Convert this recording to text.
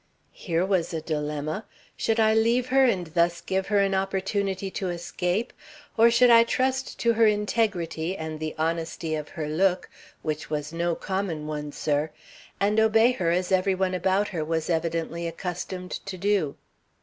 "Here was a dilemma. Should I leave her and thus give her an opportunity to escape, or should I trust to her integrity and the honesty of her look, which was no common one, sir, and obey her as every one about her was evidently accustomed to do?